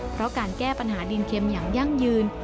เพราะการแก้ปัญหาดินเข็มอย่างยั่งยืน